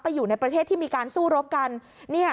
อยู่ในประเทศที่มีการสู้รบกัน